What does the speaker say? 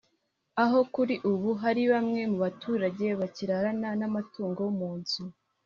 aho kuri ubu hari bamwe mu baturage bakirarana n’amatungo mu nzu